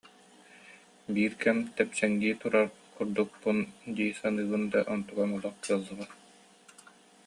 Биир кэм тэпсэҥнии турар курдукпун дии саныыбын да, онтукам олох кыаллыбат